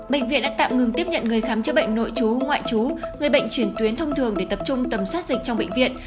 bệnh viện đã tạm ngừng tiếp nhận người khám chữa bệnh nội chú ngoại chú người bệnh chuyển tuyến thông thường để tập trung tầm soát dịch trong bệnh viện